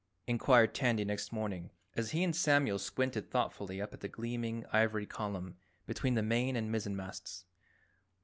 inquired Tandy next morning as he and Samuel squinted thoughtfully up at the gleaming ivory column between the main and mizzenmasts.